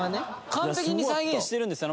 完璧に再現してるんですよ。